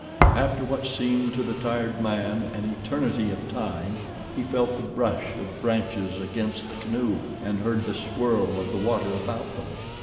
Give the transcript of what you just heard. After what seemed to the tired man an eternity of time he felt the brush of branches against the canoe and heard the swirl of the water about them.